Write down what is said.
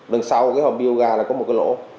đằng sau cái hồng biêu gà là có một cái lỗ